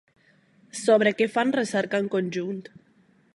Sobre què fan recerca en conjunt?